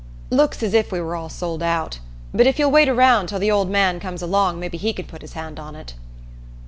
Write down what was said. "Looks as if we were all sold out. But if you'll wait around till the old man comes along maybe he can put his hand on it."